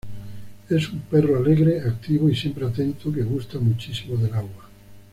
Es un perro alegre, activo y siempre atento, que gusta muchísimo del agua.